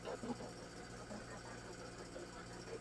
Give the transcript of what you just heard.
watu waliyoambukizwa wanatakiwa kusaidiwa matumizi yao ya kila siku